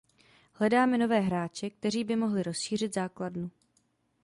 Hledáme nové hráče, kteří by mohli rozšířit základnu.